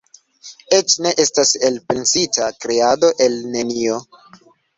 Eĉ ne estas elpensita "kreado el nenio.